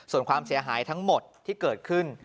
ส่วนความเสียหายทั้งหมดที่เกิดขึ้น